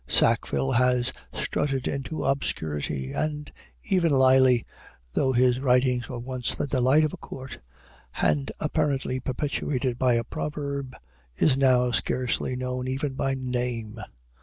Sackville has strutted into obscurity; and even Lyly, though his writings were once the delight of a court, and apparently perpetuated by a proverb, is now scarcely known even by name.